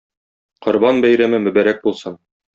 Корбан бәйрәме мөбарәк булсын!